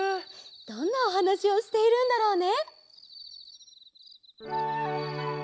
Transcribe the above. どんなおはなしをしているんだろうね！